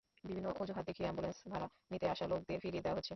বিভিন্ন অজুহাত দেখিয়ে অ্যাম্বুলেন্স ভাড়া নিতে আসা লোকদের ফিরিয়ে দেওয়া হচ্ছে।